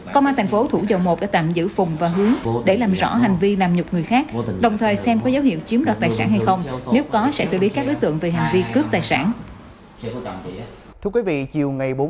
công an thành phố thủ dầu một đã tạm giữ phùng và hướng để làm rõ hành vi làm nhục người khác đồng thời xem có dấu hiệu chiếm đoạt tài sản hay không nếu có sẽ xử lý các đối tượng về hành vi cướp tài sản